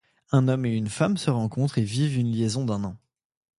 Un homme et une femme se rencontrent et vivent une liaison d'un an.